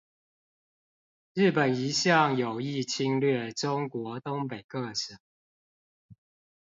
日本一向有意侵略中國東北各省